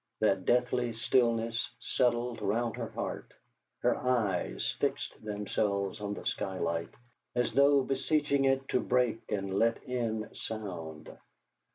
That deathly stillness settled round her heart; her eyes fixed themselves on the skylight, as though beseeching it to break and let in sound.